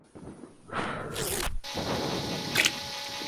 Le sucedió como cuarto abad de Cluny, Mayolo.